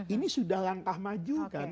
ini sudah langkah maju kan